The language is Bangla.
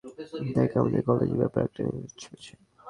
দেখ, আমাদের কলেজের ব্যাপারে একটা নিউজ ছেপেছে।